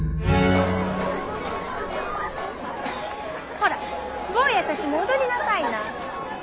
ほら坊やたちも踊りなさいな。